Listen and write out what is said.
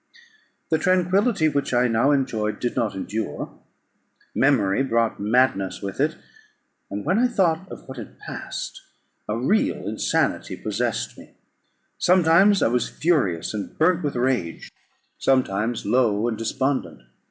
The tranquillity which I now enjoyed did not endure. Memory brought madness with it; and when I thought of what had passed, a real insanity possessed me; sometimes I was furious, and burnt with rage; sometimes low and despondent.